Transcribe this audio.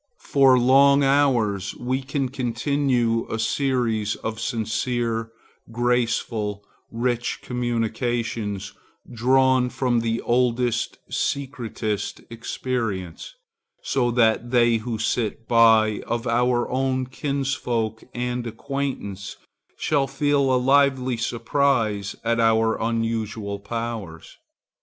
For long hours we can continue a series of sincere, graceful, rich communications, drawn from the oldest, secretest experience, so that they who sit by, of our own kinsfolk and acquaintance, shall feel a lively surprise at our unusual powers.